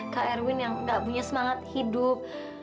kak erwin yang gak punya semangat hidup